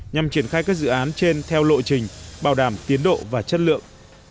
nhằm triển khai các dự án trên theo lộ trình bảo đảm tiến độ và chất lượng